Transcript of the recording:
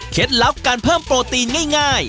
ลับการเพิ่มโปรตีนง่าย